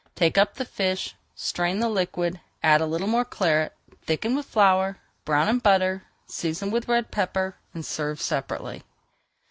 Take up the fish, strain the liquid, add a little more Claret, thicken with flour, brown in butter, season with red pepper, and serve separately.